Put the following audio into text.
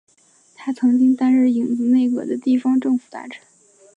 他曾经担任影子内阁的地方政府大臣。